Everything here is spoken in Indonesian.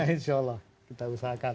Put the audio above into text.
insya allah kita usahakan